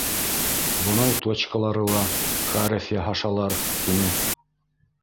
Бынау точкалары ла хәреф яһашалар, — тине.